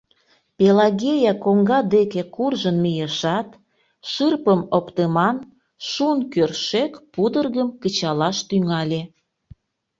Пелагея коҥга деке куржын мийышат, шырпым оптыман шун кӧршӧк пудыргым кычалаш тӱҥале.